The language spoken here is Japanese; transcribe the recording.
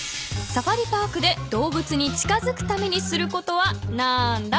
サファリ・パークで動物に近づくためにすることは何だ？